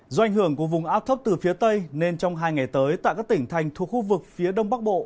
do ảnh hưởng của vùng áp thấp từ phía tây nên trong hai ngày tới tại các tỉnh thành thuộc khu vực phía đông bắc bộ